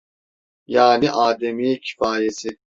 Yani ademi kifayesi…